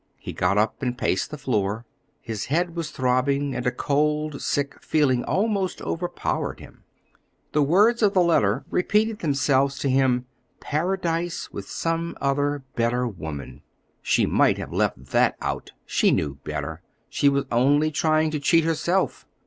He got up and paced the floor. His head was throbbing, and a cold, sick feeling almost overpowered him. The words of the letter repeated themselves to him. "Paradise with some other, better woman," she might have left that out; she knew better; she was only trying to cheat herself.